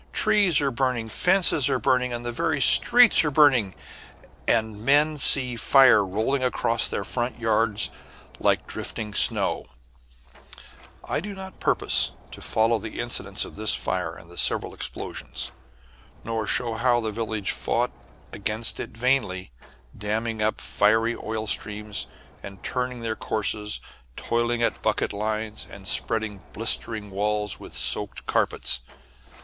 Trees are burning, fences are burning, the very streets are burning, and men see fire rolling across their front yards like drifting snow. [Illustration: "THE VERY STREETS ARE BURNING."] I do not purpose to follow the incidents of this fire and the several explosions, nor show how the village fought against it vainly, damming up fiery oil streams and turning their courses, toiling at bucket lines, and spreading blistering walls with soaked carpets.